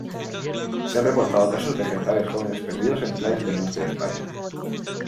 Se han reportado casos de ejemplares jóvenes perdidos en playas del norte de España.